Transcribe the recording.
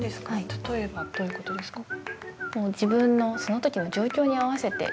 例えばどういうことですか？